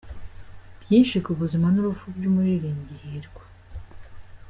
Byinshi ku buzima n’urupfu by’umuririmbyi Hirwa